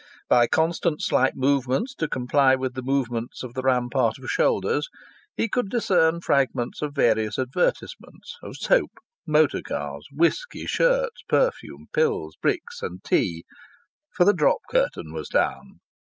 By constant slight movements, to comply with the movements of the rampart of shoulders, he could discern fragments of various advertisements of soap, motor cars, whisky, shirts, perfume, pills, bricks and tea for the drop curtain was down.